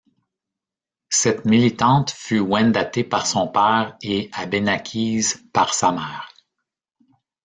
Cette millitante fut Wendate par son père et Abénakise par sa mère.